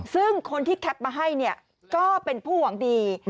ซึ่งคนที่แคปมาให้เนี่ยก็เป็นผู้หวังดี